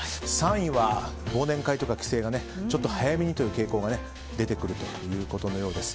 ３位は忘年会とか帰省は早めにという傾向が出てくるということのようです。